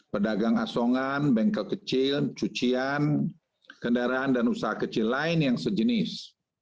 pedagang asongan bengkel kecil cucian kendaraan dan usaha kecil lain yang sejenis